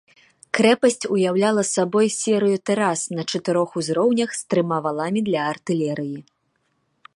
Крэпасць уяўляла сабой серыю тэрас на чатырох узроўнях, з трыма валамі для артылерыі.